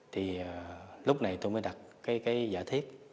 thì lúc này tôi mới đặt cái giả thiết